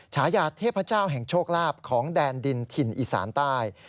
ฉายาเทพเจ้าแห่งโชคลาภของแดนดินถิ่นอีสานใต้